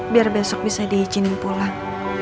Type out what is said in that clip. biar besok bisa diizinin pulang